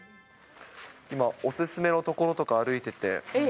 今、お勧めの所とか、歩いてて。